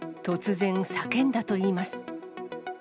突然、叫んだといいます。